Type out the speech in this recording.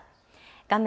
画面